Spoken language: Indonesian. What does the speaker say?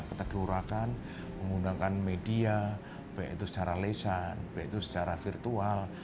kita kelurahan menggunakan media baik itu secara lesan baik itu secara virtual